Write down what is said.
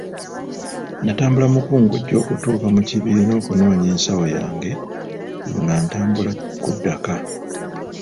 Natambula mukungujjo okutuuka mu kibiina okunona ensawo yange nga ntambula kudda ka.